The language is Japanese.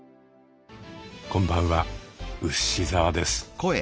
こんばんはウシ澤です。